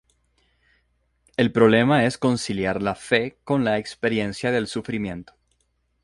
El problema es conciliar la fe con la experiencia del sufrimiento.